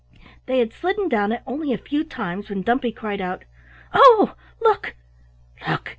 They had slidden down it only a few times when Dumpy cried out: "Oh! look! look!